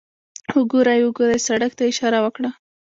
وګورئ، وګورئ، سړک ته یې اشاره وکړه.